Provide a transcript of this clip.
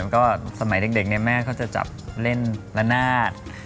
ก็สมัยเด็กแม่เขาจะจับเล่นละนาด